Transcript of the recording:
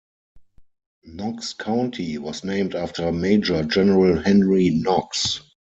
Knox County was named after Major General Henry Knox.